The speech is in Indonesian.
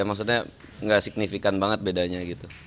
maksudnya nggak signifikan banget bedanya gitu